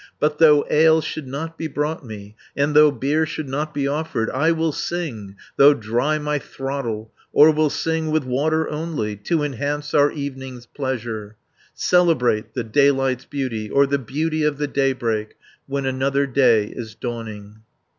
But though ale should not be brought me, And though beer should not be offered, I will sing, though dry my throttle, Or will sing, with water only, To enhance our evening's pleasure, Celebrate the daylight's beauty, 100 Or the beauty of the daybreak, When another day is dawning.